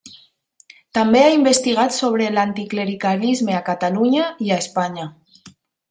També ha investigat sobre l'anticlericalisme a Catalunya i a Espanya.